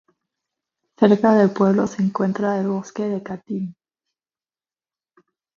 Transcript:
Cerca del pueblo se encuentra el bosque de Katyn.